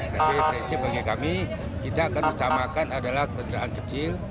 tapi prinsip bagi kami kita akan utamakan adalah kendaraan kecil